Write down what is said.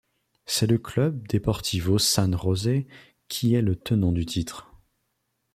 C'est le Club Deportivo San José qui est le tenant du titre.